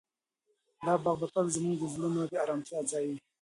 دا باغ به تل زموږ د زړونو د ارامتیا ځای وي.